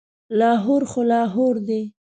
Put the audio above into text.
لاهور خو لاهور دی.